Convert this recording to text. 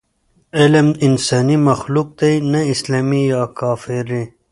علم انساني مخلوق دی، نه اسلامي یا کافري.